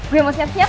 gue mau siap siap